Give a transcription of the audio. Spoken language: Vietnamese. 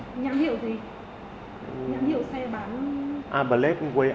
nhân hiệu gì nhân hiệu xe bán